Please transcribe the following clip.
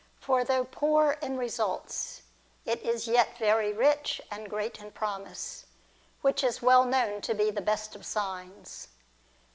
For though poor in results, it is yet very rich and great in promise, which is well known to be the best of signs.